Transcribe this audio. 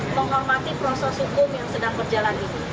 menghormati proses hukum yang sedang berjalan ini